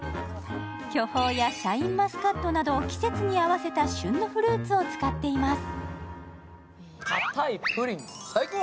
巨峰やシャインマスカットなど季節に合わせた旬のフルーツを使っています。